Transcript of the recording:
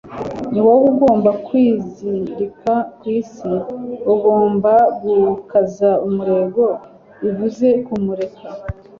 niwowe ugomba kwizirika ku isi. ugomba gukaza umurego - bivuze kumureka